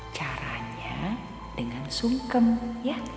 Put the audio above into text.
caranya dengan sungkem ya